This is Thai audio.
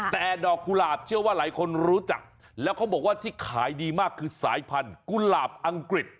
แต่ดอกกุหลาบเชื่อว่าหลายคนรู้จักแล้วเขาบอกว่าที่ขายดีมากคือสายพันธุ์กุหลาบอังกฤษ